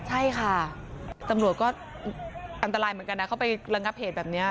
ใช่ค่ะตำรวจก็อันตรายเหมือนกันนะเขาไประงับเหตุแบบนี้